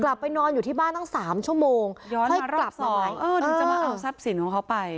กลับไปนอนอยู่ที่บ้านตั้ง๓ชั่วโมงย้อนมารอบ๒ถึงจะมาเอาทรัพย์สินของเขาไป